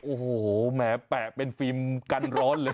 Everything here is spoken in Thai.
โอ้โหแหมแปะเป็นฟิล์มกันร้อนเลย